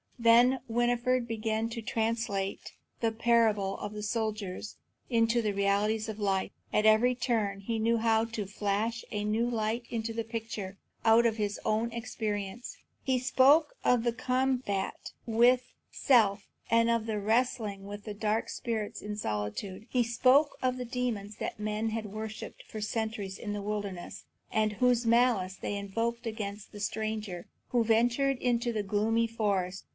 Then Winfried began to translate the parable of the soldier into the realities of life. At every turn he knew how to flash a new light into the picture out of his own experience. He spoke of the combat with self, and of the wrestling with dark spirits in solitude. He spoke of the demons that men had worshipped for centuries in the wilderness, and whose malice they invoked against the stranger who ventured into the gloomy forest.